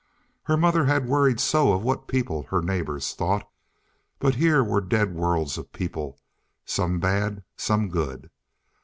Her mother had worried so of what people—her neighbors—thought, but here were dead worlds of people, some bad, some good.